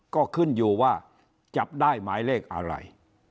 ก็ขึ้นอยู่ว่าจับได้หมายเลขอะไร